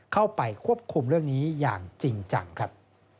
เข้าไปควบคุมเรื่องนี้อย่างจริงจังครับ